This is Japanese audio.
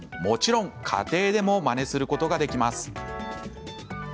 もちろん、家庭でもまねすることができます。